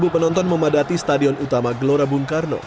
sepuluh penonton memadati stadion utama glora bung karno